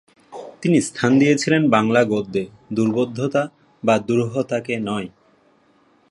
তিনি স্থান দিয়েছিলেন বাংলা গদ্যে; দুর্বোধ্যতা বা দুরুহতাকে নয়।